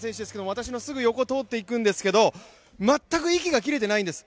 私のすぐ横を通っていくんですけどまったく息が切れてないんです。